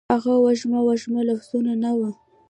هغه وږمه، وږمه لفظونه ، نه وه